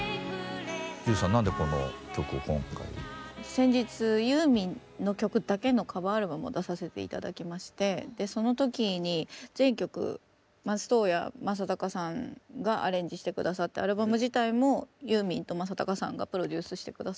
先日ユーミンの曲だけのカバーアルバムを出させて頂きましてでその時に全曲松任谷正隆さんがアレンジして下さってアルバム自体もユーミンと正隆さんがプロデュースして下さったんですけど。